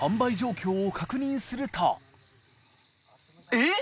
えっ！